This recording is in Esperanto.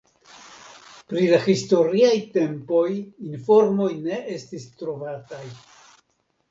Pri la historiaj tempoj informoj ne estis trovataj.